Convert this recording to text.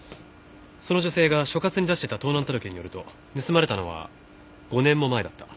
その女性が所轄に出してた盗難届によると盗まれたのは５年も前だった。